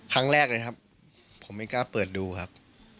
ครั้งแรกเลยครับผมไม่กล้าเปิดดูครับ